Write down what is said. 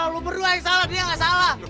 lo berdua yang salah dia yang gak salah